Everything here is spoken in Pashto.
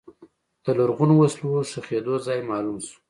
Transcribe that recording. د لرغونو وسلو ښخېدو ځای معلوم شو.